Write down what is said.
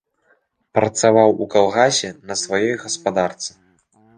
Працаваў у калгасе, на сваёй гаспадарцы.